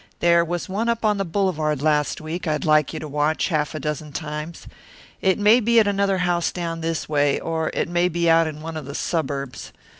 There was one up on the Boulevard last week I'd like you to watch half a dozen times. It may be at another house down this way, or it may be out in one of the suburbs.